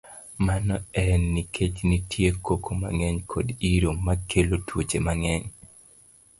Mano en nikech nitie koko mang'eny kod iro makelo tuoche mang'eny.